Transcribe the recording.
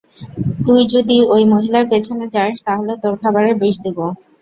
তুই যদি ওই মহিলার পিছনে যাস, তাহলে তোর খাবারে বিষ দিব।